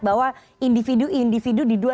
bahwa individu individu di dua